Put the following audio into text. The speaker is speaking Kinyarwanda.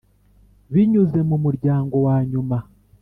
binyuze mu muryango wanyuma,